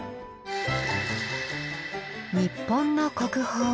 日本の国宝。